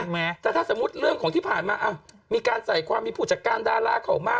แม้แต่ถ้าสมมุติเรื่องของที่ผ่านมามีการใส่ความมีผู้จัดการดาราเข้ามา